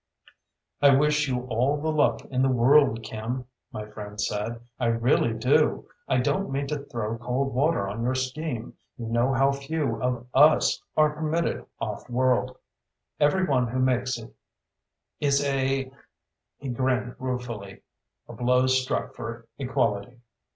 "I wish you all the luck in the world, Kim," my friend said. "I really do. I don't mean to throw cold water on your scheme. You know how few of us are permitted off world. Every one who makes it is a " he grinned ruefully "a blow struck for equality."